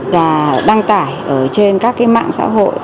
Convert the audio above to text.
và đăng tải trên các cái mạng xã hội